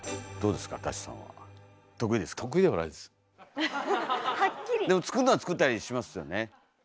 でも作るのは作ったりしますよね？